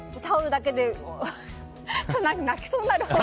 タオルだけで泣きそうになる。